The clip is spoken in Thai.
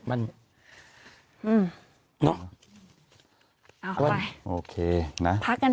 เอาไปพักกันแป๊บนึง